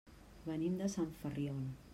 Venim de Sant Ferriol.